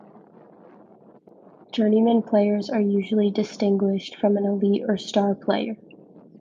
Journeymen players are usually distinguished from an elite or "star" player.